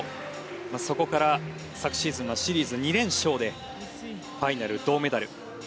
そこから昨シーズンはシリーズ２連勝でファイナル銅メダル。